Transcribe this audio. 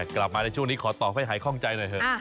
กลับมาในช่วงนี้ขอตอบให้หายคล่องใจหน่อยเถอะ